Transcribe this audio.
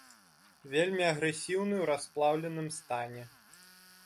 Вельмі агрэсіўны ў расплаўленым стане.